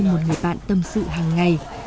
thêm một người bạn tâm sự hàng ngày